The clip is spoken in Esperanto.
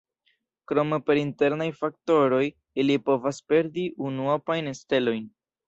Krome per internaj faktoroj ili povas perdi unuopajn stelojn.